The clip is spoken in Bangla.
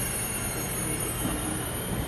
অবশ্যই, বাড়িতে একটা রেডিও আছে।